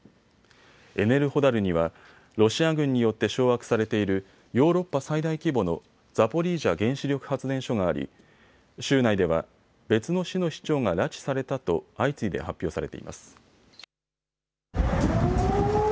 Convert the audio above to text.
エネルホダルにはロシア軍によって掌握されているヨーロッパ最大規模のザポリージャ原子力発電所があり州内では別の市の市長が拉致されたと相次いで発表されています。